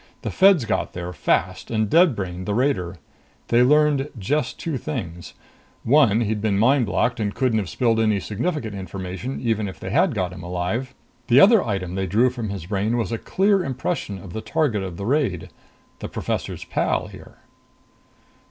The Feds got there, fast, and dead brained the raider. They learned just two things. One, he'd been mind blocked and couldn't have spilled any significant information even if they had got him alive. The other item they drew from his brain was a clear impression of the target of the raid the professor's pal here."